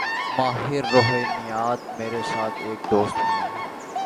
ماہر روحانیات: میرے ساتھ ایک دوست ہیں۔